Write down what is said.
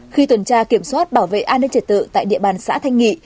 khi tuần tra kiểm soát bảo vệ an ninh trật tự tại địa bàn xã thanh nghị